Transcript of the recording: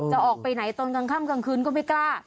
ออกไปไหนตอนกลางค่ำกลางคืนก็ไม่กล้า